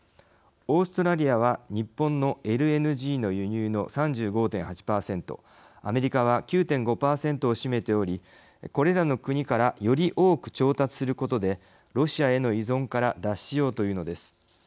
オーストラリアは日本のＬＮＧの輸入の３５．８％アメリカは９．５％を占めておりこれらの国からより多く調達することでロシアへの依存から脱しようというのです。